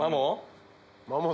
マモ？